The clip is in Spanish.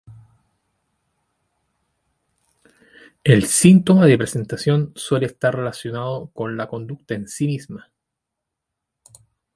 El síntoma de presentación suele estar relacionado con la conducta en sí misma.